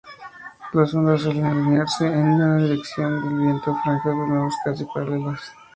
Las ondas suelen alinearse en la dirección del viento, franjas de nubes casi paralelas.